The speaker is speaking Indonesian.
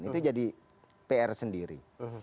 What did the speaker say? itu jadi pr sendiri